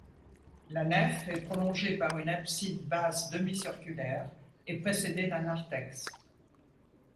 La nef est prolongée par une abside basse demi-circulaire et précédée d'un narthex.